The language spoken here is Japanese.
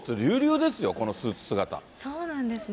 そうなんですね。